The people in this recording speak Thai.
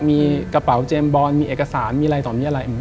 มีกระเป๋าเจมส์บอลมีเอกสารมีอะไรต่อมีอะไร